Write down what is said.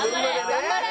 頑張れ！